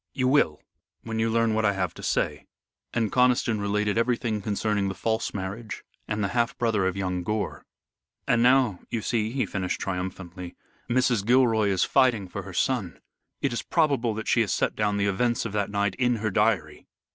"You will, when you learn what I have to say." And Conniston related everything concerning the false marriage and the half brother of young Gore. "And now, you see," he finished triumphantly, "Mrs. Gilroy is fighting for her son. It is probable that she has set down the events of that night in her diary."